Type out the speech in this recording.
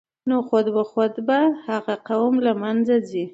نو خود به خود به هغه قوم له منځه ځي.